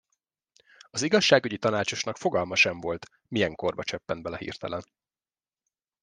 Az igazságügyi tanácsosnak fogalma sem volt, milyen korba cseppent bele hirtelen.